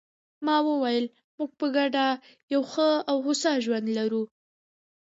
ما وویل: موږ په ګډه یو ښه او هوسا ژوند لرو.